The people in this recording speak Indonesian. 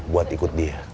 buat ikut dia